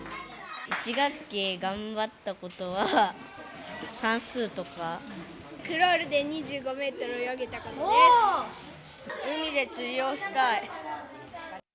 １学期、頑張ったことは、クロールで２５メートル泳げ海で釣りをしたい。